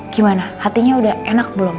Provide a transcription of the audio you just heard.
gimana hatinya udah enak belum